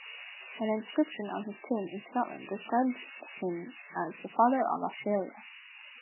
An inscription on his tomb in Scotland describes him as "The Father of Australia".